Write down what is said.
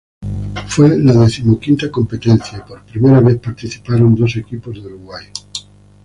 Fue la decimoquinta competencia y, por primera vez, participaron dos equipos de Uruguay.